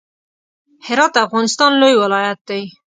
هرات د افغانستان لوی ولایت دی.